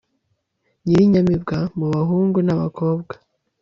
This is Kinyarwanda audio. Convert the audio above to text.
nyirinyamibwa mubahungu nabakobwa